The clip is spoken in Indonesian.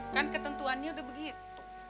kan ketentuannya udah begitu